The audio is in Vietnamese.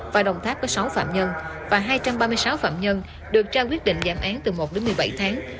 và đồng tháp có sáu phạm nhân và hai trăm ba mươi sáu phạm nhân được trao quyết định giảm án từ một đến một mươi bảy tháng